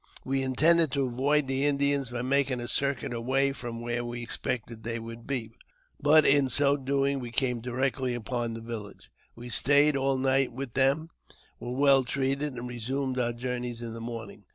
We intended to avoid Hhe Indians by making a circuit away from where we expected they would be, but in so doing we came directly upon the village. We stayed all night with them, were well treated, and resumed our journey in the morning.